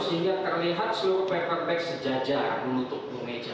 sehingga terlihat seluruh paper bag sejajar menutup meja